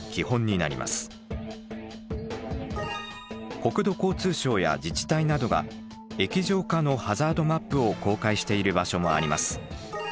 国土交通省や自治体などが液状化のハザードマップを公開している場所もあります。